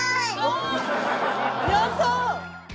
やったー！